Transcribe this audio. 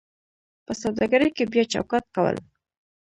په سوداګرۍ کې بیا چوکاټ کول: